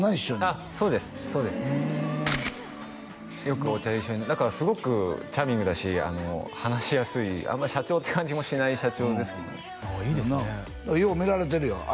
よくお茶一緒にだからすごくチャーミングだし話しやすいあんまり社長って感じもしない社長ですけどねああいいですねよう